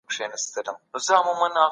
لوستې مور د ماشومانو د ؛خوراک نظم ساتي.